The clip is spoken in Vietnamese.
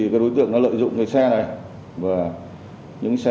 và đối tượng nguyễn văn hồ